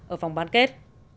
ở vòng bàn kết